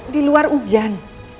di luar hujan